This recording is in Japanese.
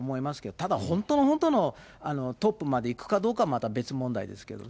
ただ本当のもとのトップまで行くかどうかはまた別問題ですけどね。